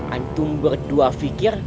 antum berdua fikir